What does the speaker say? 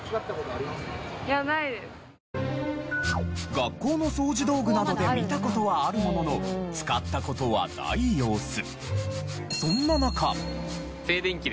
学校の掃除道具などで見た事はあるものの使った事はない様子。